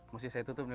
mesti saya tutup nih